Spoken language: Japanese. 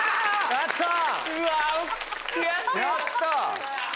やったー！